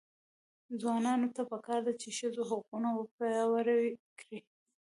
ځوانانو ته پکار ده چې، ښځو حقونه وپیاوړي کړي.